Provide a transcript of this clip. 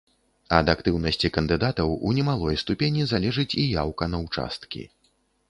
Ад актыўнасці кандыдатаў у немалой ступені залежыць і яўка на ўчасткі.